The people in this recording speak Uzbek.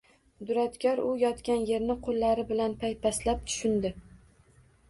Duradgor u yotgan yerni qoʻllari bilan paypaslab tushundi